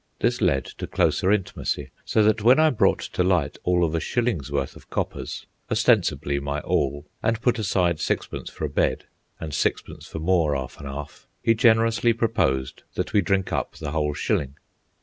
This led to closer intimacy, so that when I brought to light all of a shilling's worth of coppers (ostensibly my all), and put aside sixpence for a bed, and sixpence for more arf an' arf, he generously proposed that we drink up the whole shilling.